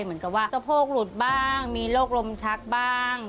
เหมือนกับว่าสะโพกหลุดบ้างมีโรคลมชักบ้าง